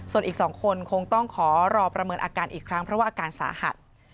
ส่วนอีก๒คนคงต้องขอรอประเมินอาการอีกครั้งเพราะว่าอาการสาหัส